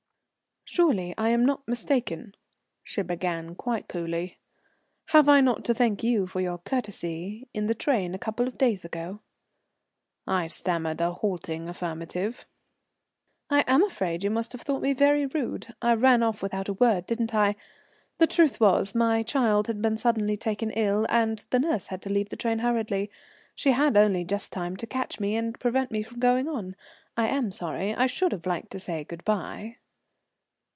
"Surely I am not mistaken?" she began quite coolly. "Have I not to thank you for your courtesy in the train a couple of days ago?" I stammered a halting affirmative. "I am afraid you must have thought me very rude. I ran off without a word, didn't I? The truth was my child had been suddenly taken ill and the nurse had to leave the train hurriedly. She had only just time to catch me and prevent me from going on. I am sorry. I should have liked to say good bye."